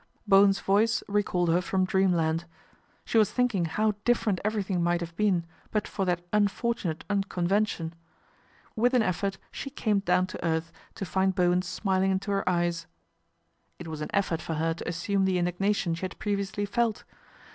Bowen's voice recalled her from dreamland She was thinking how different everything might have been, but for that unfortunate unconvention. With an effort she came down to earth to find Bowen smiling into her eyes. It was an effort for her to assume the indigna tion she had previously felt.